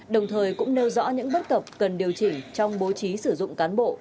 đồng thời cũng nêu rõ những bất cập cần điều chỉnh trong bố trí sử dụng cán bộ